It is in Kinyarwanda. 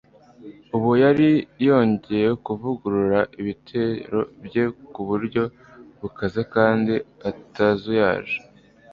ubu yari yongcye kuvugurura ibitero bye ku bulyo bukaze kandi atazuyaje.